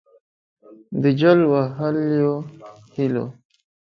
د جل وهلیو هِیلو